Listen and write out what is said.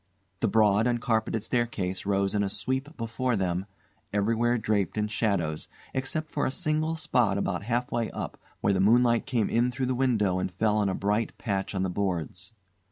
The broad uncarpeted staircase rose in a sweep before them, everywhere draped in shadows, except for a single spot about half way up where the moonlight came in through the window and fell on a bright patch on the boards.